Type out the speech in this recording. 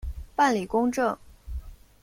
办理公证